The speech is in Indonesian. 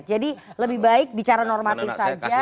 jadi lebih baik bicara normatif saja